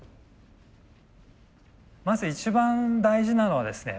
まず一番大事なのはですね